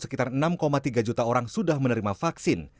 sekitar enam tiga juta orang sudah menerima vaksin